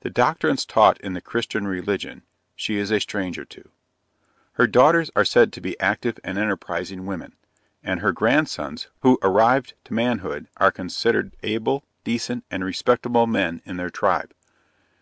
The doctrines taught in the Christian religion, she is a stranger to. Her daughters are said to be active and enterprizing women, and her grandsons, who arrived to manhood, are considered able, decent and respectable men in their tribe.